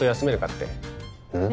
ってうん？